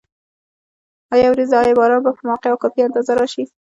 آیا وریځ ده؟ آیا باران به په موقع او کافي اندازه راشي؟